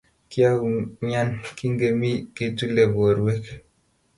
Kyaumian kingemi kechule borwek